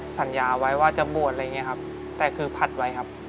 สัญญาไว้ว่าจะบวชอะไรอย่างนี้ครับแต่คือผัดไว้ครับ